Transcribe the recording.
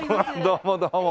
どうもどうも。